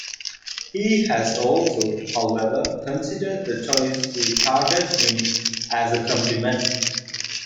He has also, however, considered the choice to target him as a compliment.